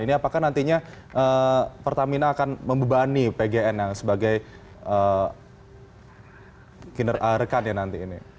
ini apakah nantinya pertamina akan membebani pgn yang sebagai rekannya nanti ini